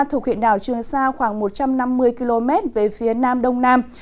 thuộc huyện đảo trường sa khoảng một trăm năm mươi km về phía nam đông nam